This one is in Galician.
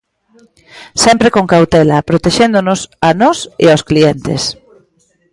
Sempre con cautela, protexéndonos a nós e aos clientes.